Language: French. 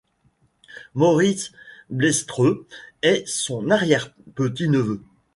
Moritz Bleibtreu est son arrière-petit-neveu.